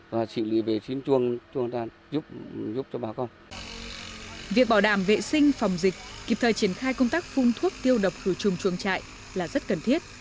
việc bảo đảm vệ sinh phòng dịch kịp thời triển khai công tác phun thuốc tiêu độc khử trùng chuồng trại là rất cần thiết